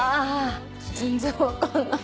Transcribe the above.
私全然分かんない。